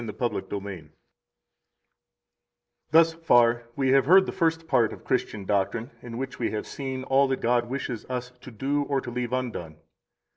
The Apostles' Creed 1 Thus far we have heard the first part of Christian doctrine, in which we have seen all that God wishes us to do or to leave undone.